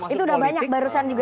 itu udah banyak barusan juga